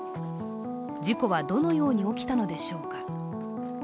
事故はどのように起きたのでしょうか。